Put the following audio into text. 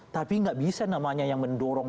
tapi nggak bisa namanya yang mendorong